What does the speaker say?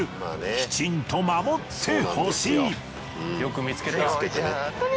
きちんと守ってほしい。